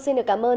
xin được cảm ơn